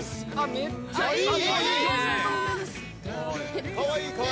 めっちゃいい。